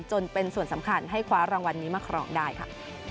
จนเป็นส่วนสำคัญให้คว้ารางวัลนี้มาครองได้ค่ะ